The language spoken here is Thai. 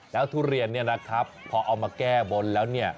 แล้วทุเรียนพอเอามาแก้บนแล้ว